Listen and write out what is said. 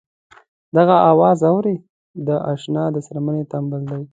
دغه اواز اورې د اشنا د څرمنې تمبل دی.